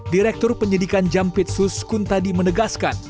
direktur penyelidikan jampit suskun tadi menegaskan